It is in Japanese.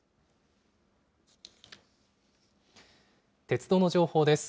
鉄道の情報です。